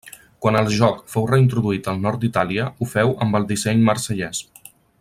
Quan el joc fou reintroduït al nord d'Itàlia, ho feu amb el disseny marsellès.